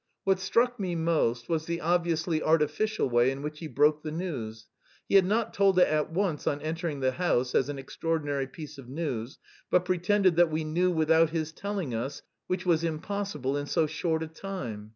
What struck me most was the obviously artificial way in which he broke the news. He had not told it at once on entering the house as an extraordinary piece of news, but pretended that we knew without his telling us which was impossible in so short a time.